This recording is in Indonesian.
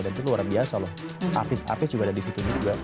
dan itu luar biasa loh artis artis juga ada di situ juga